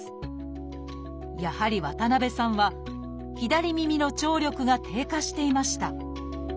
やはり渡辺さんは左耳の聴力が低下していました。